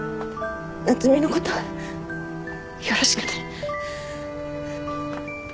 夏海のことよろしくね。